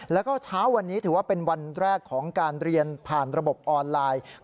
แล้วก็เช้าวันนี้ถือว่าเป็นวันแรกของการเรียนผ่านระบบออนไลน์